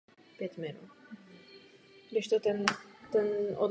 Hora se nachází mimo hlavní hřeben na východním okraji pohoří.